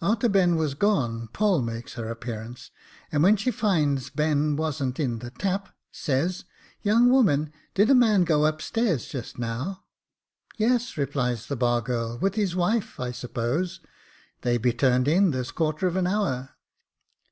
A'ter Ben was gone, Poll makes her appearance, and, when she finds Ben wasn't in the tap, says, ' Young woman, did a man go upstairs just now ?'* Yes,' replied the bar girl, ' with his wife, I suppose ; they be turned in this quarter of an hour.'